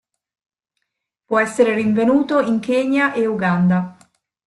Può essere rinvenuto in Kenya e Uganda.